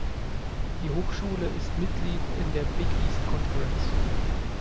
Die Hochschule ist Mitglied in der Big East Conference.